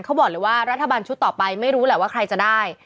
เขาบอกเลยว่ารัฐบาลชุดต่อไปไม่รู้แหละว่าใครจะได้